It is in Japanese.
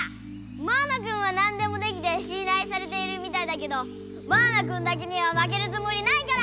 マウナくんはなんでもできてしんらいされているみたいだけどマウナくんだけにはまけるつもりないから！